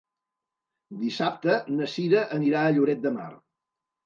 Dissabte na Cira anirà a Lloret de Mar.